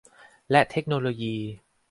และเทคโนโลยี